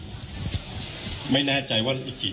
คุณผู้ชมไปฟังผู้ว่ารัฐกาลจังหวัดเชียงรายแถลงตอนนี้ค่ะ